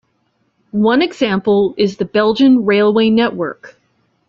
One example is the Belgian railway network.